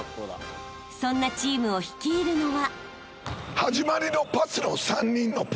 ［そんなチームを率いるのは］